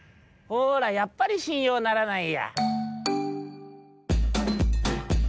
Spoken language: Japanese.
「ほらやっぱりしんようならないや」。